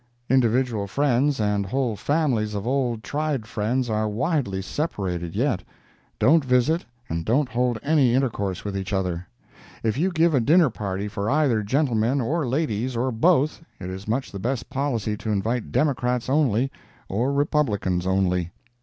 Individual friends and whole families of old tried friends are widely separated yet—don't visit and don't hold any intercourse with each other. If you give a dinner party for either gentlemen or ladies, or both, it is much the best policy to invite Democrats only or Republicans only.